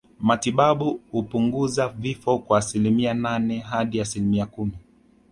Matibabu hupunguza vifo kwa asilimia nane hadi asilimia kumi